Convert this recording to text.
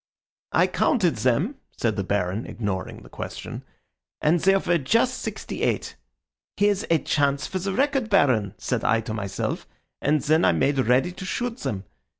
"I counted them," said the Baron, ignoring the question, "and there were just sixty eight. 'Here's a chance for the record, Baron,' said I to myself, and then I made ready to shoot them.